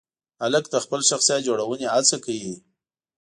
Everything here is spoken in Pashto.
هلک د خپل شخصیت جوړونې هڅه کوي.